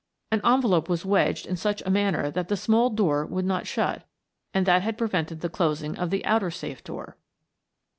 An envelope was wedged in such a manner that the small door would not shut and that had prevented the closing of the outer safe door.